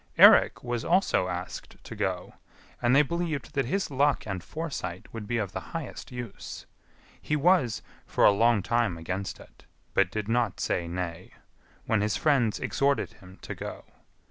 Eirik was also asked to go, and they believed that his luck and foresight would be of the highest use. He was [for a long time against it, but did not say nay], when his friends exhorted him to go.